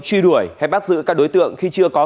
truy đuổi hay bắt giữ các đối tượng khi chưa có